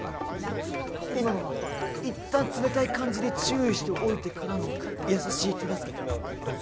今のはいったん冷たい感じで注意しておいてからの優しい手助け。